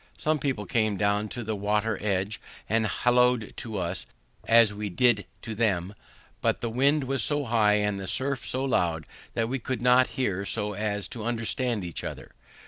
Some people came down to the water edge and hallow'd to us, as we did to them; but the wind was so high, and the surff so loud, that we could not hear so as to understand each other.